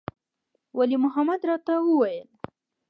ولي محمد راته وويل.